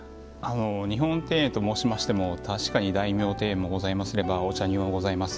日本庭園と申しましても確かに大名庭園もございますればお茶庭もございます。